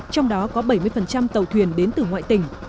trong đó có bảy mươi tàu thuyền đến từ ngoại tỉnh